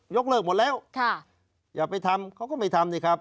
เลิกหมดแล้วอย่าไปทำเขาก็ไม่ทำนี่ครับ